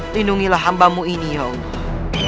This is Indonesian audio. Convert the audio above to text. lindungilah hambamu ini ya allah